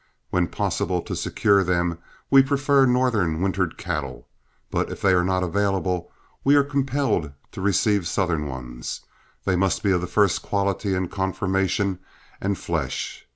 When possible to secure them, we prefer Northern wintered cattle, but if they are not available, and we are compelled to receive Southern ones, they must be of the first quality in conformation and flesh.